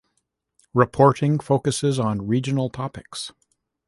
Reporting focuses on regional topics.